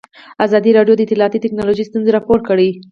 ازادي راډیو د اطلاعاتی تکنالوژي ستونزې راپور کړي.